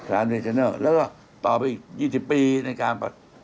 แล้วก็ต่อไปอีก๒๐ปีในการ